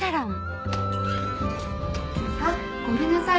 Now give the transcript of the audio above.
あっごめんなさい